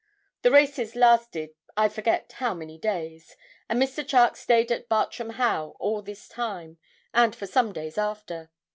The races lasted I forget how many days, and Mr. Charke stayed at Bartram Haugh all this time and for some days after.